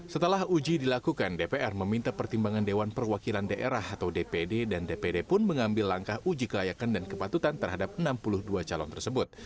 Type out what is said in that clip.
setelah uji dilakukan dpr meminta pertimbangan dewan perwakilan daerah atau dpd dan dpd pun mengambil langkah uji kelayakan dan kepatutan terhadap enam puluh dua calon tersebut